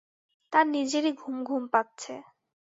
তাঁর নিজেরই ঘুম ঘুম পাচ্ছে।